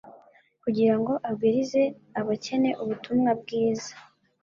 "Kugira ngo abwirize abakene ubutumwa bwiza"